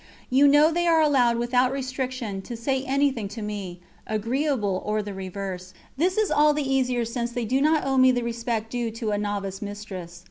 You know they are allowed without restriction to say anything to me, agreeable or the reverse; this is all the easier since they do not owe me the respect due to a Novice Mistress.